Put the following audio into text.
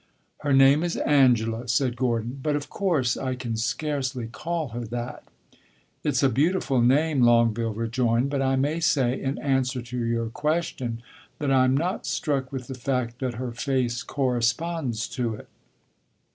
"Her name is Angela," said Gordon; "but of course I can scarcely call her that." "It 's a beautiful name," Longueville rejoined; "but I may say, in answer to your question, that I am not struck with the fact that her face corresponds to it."